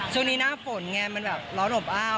ช่วงนี้หน้าผมมันแบบล้อไหนอะ